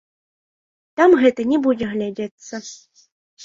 Там гэта не будзе глядзецца.